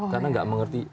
karena gak mengerti